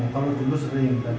kalau dulu sering